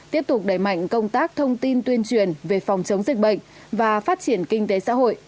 tiếp tục đẩy mạnh công tác thông tin tuyên truyền về phòng chống dịch bệnh và phát triển kinh tế xã hội